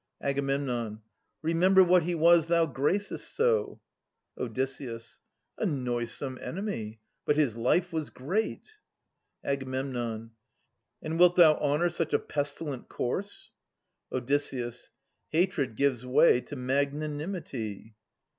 Ag. Remember what he was thou gracest so. Od. a noisome enemy; but his life was great. Ag. And wilt thou honour such a pestilent corse ? Od. Hatred gives way to magnanimity.